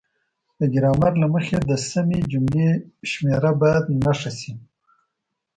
د ګرامر له مخې د سمې جملې شمیره باید نښه شي.